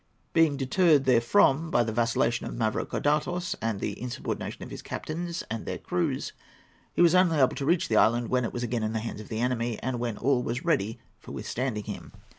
Being deterred therefrom by the vacillation of Mavrocordatos and the insubordination of his captains and their crews, he was only able to reach the island when it was again in the hands of the enemy, and when all was ready for withstanding him.